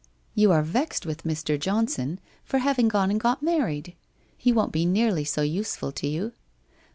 You are vexed with Mr. Johnson for having gone and got married; he won't be nearly so useful to you.